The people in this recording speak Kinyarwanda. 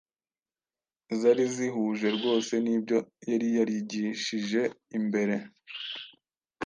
zari zihuje rwose n’ibyo yari yarigishije mbere.